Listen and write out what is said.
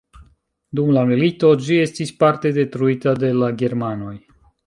Dum la milito ĝi estis parte detruita de la germanoj.